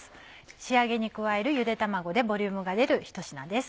仕上げに加えるゆで卵でボリュームが出るひと品です。